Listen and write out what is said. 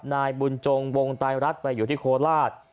นายบุญจงวงไตรรัฐไปอยู่ที่โคราช